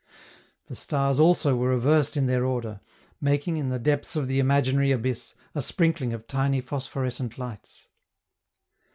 The stars also were reversed in their order, making, in the depths of the imaginary abyss, a sprinkling of tiny phosphorescent lights.